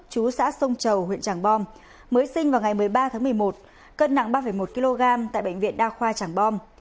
chú xã sông chầu huyện tràng bom mới sinh vào ngày một mươi ba tháng một mươi một cân nặng ba một kg tại bệnh viện đa khoa tràng bom